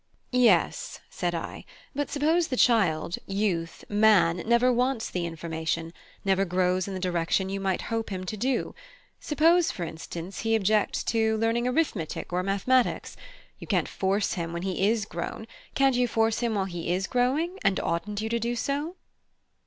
"Yes," said I, "but suppose the child, youth, man, never wants the information, never grows in the direction you might hope him to do: suppose, for instance, he objects to learning arithmetic or mathematics; you can't force him when he is grown; can't you force him while he is growing, and oughtn't you to do so?"